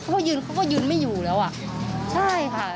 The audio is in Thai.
ผมก็สงสารทางนี้ครับ